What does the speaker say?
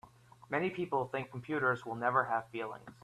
Many people think computers will never have feelings.